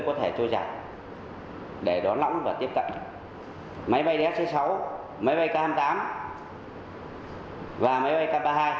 có thể trôi giặt để đón lõng và tiếp cận máy bay ds sáu máy bay k hai mươi tám và máy bay k ba mươi hai